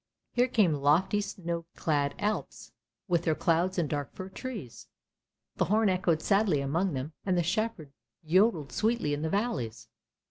Here came lofty snow clad Alps, with their clouds and dark fir trees. The horn echoed sadly among them, and the shepherd yodelled sweetly in the valleys.